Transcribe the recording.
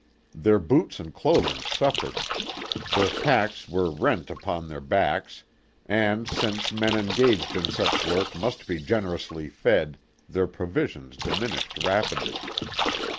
Their boots and clothing suffered; their packs were rent upon their backs, and, since men engaged in such work must be generously fed, their provisions diminished rapidly.